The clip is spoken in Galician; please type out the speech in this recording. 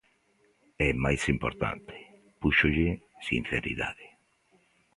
E máis importante, púxolle sinceridade.